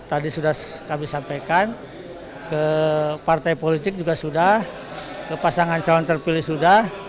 tadi sudah kami sampaikan ke partai politik juga sudah ke pasangan calon terpilih sudah